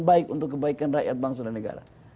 baik untuk kebaikan rakyat bangsa dan negara